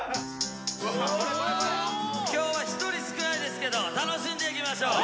今日は１人少ないですけど楽しんでいきましょう。